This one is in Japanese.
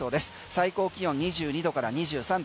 最高気温２２度から２３度。